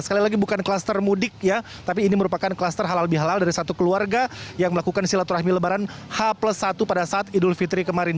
sekali lagi bukan kluster mudik ya tapi ini merupakan kluster halal bihalal dari satu keluarga yang melakukan silaturahmi lebaran h plus satu pada saat idul fitri kemarin